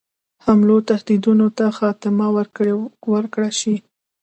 حملو تهدیدونو ته خاتمه ورکړه شي.